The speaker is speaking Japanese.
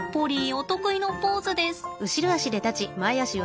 お得意のポーズです。